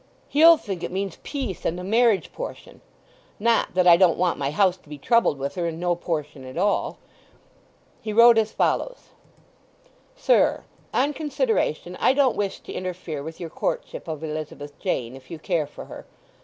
he'll think it means peace, and a marriage portion—not that I don't want my house to be troubled with her, and no portion at all!" He wrote as follows:— Sir,—On consideration, I don't wish to interfere with your courtship of Elizabeth Jane, if you care for her.